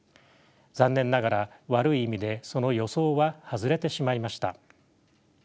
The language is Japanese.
残念ながら悪い意味でその予想は外れてしまいました。